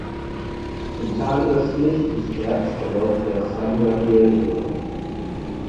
Im Tal östlich des Bergs verläuft der San Gabriel River.